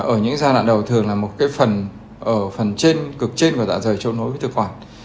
ở những giai đoạn đầu thường là một cái phần ở phần trên cực trên của dạ dày trộn nối với tư quả